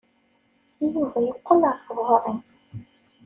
Yuba yeqqel ɣer tɣuri.